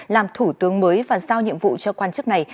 làm thủ tướng mới và giao nhiệm vụ cho quan chức này